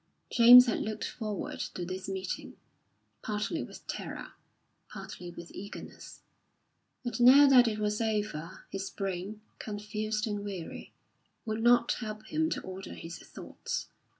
James had looked forward to this meeting, partly with terror, partly with eagerness; and now that it was over, his brain, confused and weary, would not help him to order his thoughts.